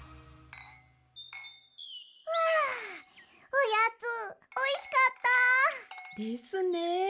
おやつおいしかった。ですね。